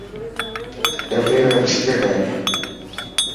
ڏٻي ۾ بسڪٽ هي.